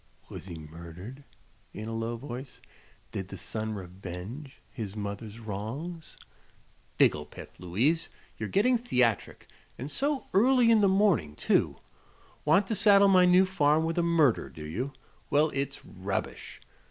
Was he murdered?" in a low voice; "did the son revenge his mother's wrongs?" "Figglepiff, Louise! You're getting theatric and so early in the morning, too! Want to saddle my new farm with a murder, do you? Well, it's rubbish.